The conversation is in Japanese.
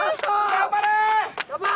頑張れ！